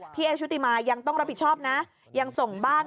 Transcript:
เอชุติมายังต้องรับผิดชอบนะยังส่งบ้าน